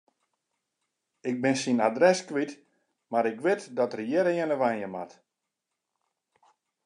Ik bin syn adres kwyt, mar ik wit dat er hjirearne wenje moat.